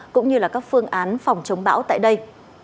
cũng như là các phương án phòng chống bão tại đây